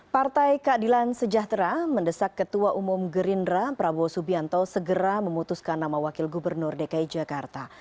partai keadilan sejahtera mendesak ketua umum gerindra prabowo subianto segera memutuskan nama wakil gubernur dki jakarta